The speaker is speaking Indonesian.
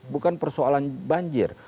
bukan persoalan banjir